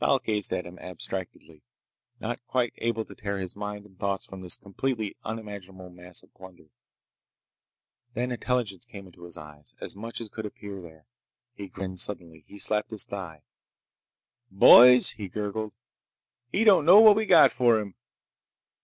Thal gazed at him abstractedly, not quite able to tear his mind and thoughts from this completely unimaginable mass of plunder. Then intelligence came into his eyes—as much as could appear there. He grinned suddenly. He slapped his thigh. "Boys!" he gurgled. "He don't know what we got for him!"